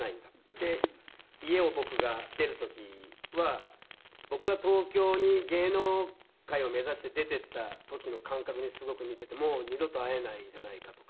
で家を僕が出る時は僕が東京に芸能界を目指して出て行った時の感覚にすごく似ててもう二度と会えないんじゃないかとか。